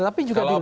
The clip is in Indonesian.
tapi juga dilihat